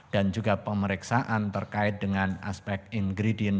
dan juga pemeriksaan terkait dengan aspek ingredient